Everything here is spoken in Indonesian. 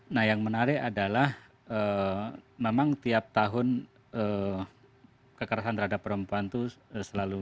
nah yang menarik adalah memang tiap tahun kekerasan terhadap perempuan itu selalu